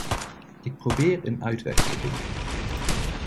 Ik probeer een uitweg te vinden.